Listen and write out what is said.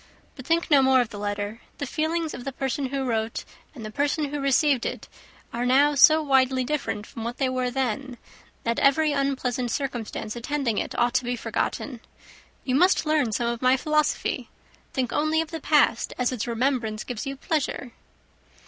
But think no more of the letter. The feelings of the person who wrote and the person who received it are now so widely different from what they were then, that every unpleasant circumstance attending it ought to be forgotten. You must learn some of my philosophy. Think only of the past as its remembrance gives you pleasure."